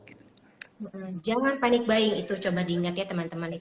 jangan panik buying itu coba diingat ya teman teman